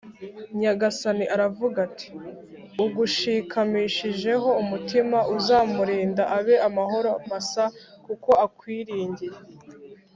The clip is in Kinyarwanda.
nyagasani aravuga ati: “ugushikamishijeho umutima uzamurinda abe amahoro masa kuko akwiringiye